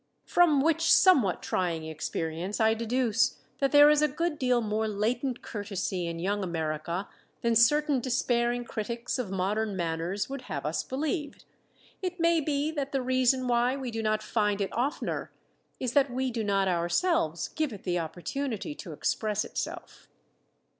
From which somewhat trying experience I deduce that there is a good deal more latent courtesy in Young America than certain despairing critics of modern manners would have us believe. It may be that the reason why we do not find it oftener is that we do not ourselves give it the opportunity to express itself.